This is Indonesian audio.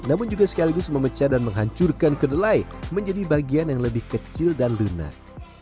namun juga sekaligus memecah dan menghancurkan kedelai menjadi bagian yang lebih kecil dan lunak